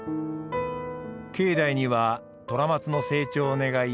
境内には虎松の成長を願い